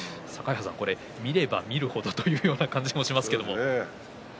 見れば見る程という感じがしますが。